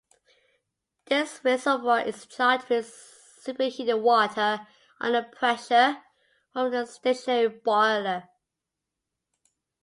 This reservoir is charged with superheated water under pressure from a stationary boiler.